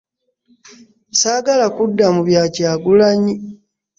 Saagala kudda mu bya Kyagulanyi